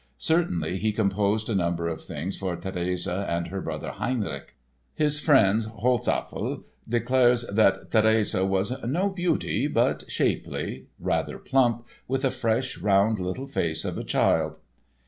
Certainly, he composed a number of things for Therese and her brother, Heinrich. His friend, Holzapfel, declares that Therese was "no beauty, but shapely, rather plump, with a fresh round little face of a child."